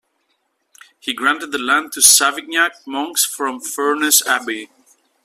He granted the land to Savignac monks from Furness Abbey.